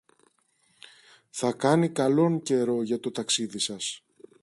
Θα κάνει καλόν καιρό για το ταξίδι σας.